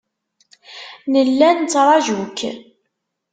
Nella nettraju-k.